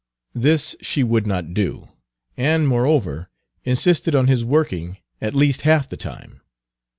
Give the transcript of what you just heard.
This she would not do, and, moreover, insisted on his working at least half the time.